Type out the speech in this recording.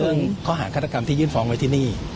ข้อหาฆาตกรรมที่ยื่นฟ้องไว้ที่นี่